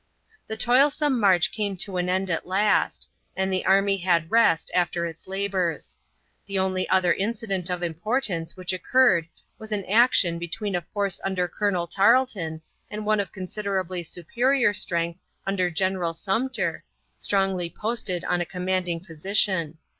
The toilsome march came to an end at last, and the army had rest after its labors. The only other incident of importance which occurred was an action between a force under Colonel Tarleton and one of considerably superior strength under General Sumpter, strongly posted on a commanding position.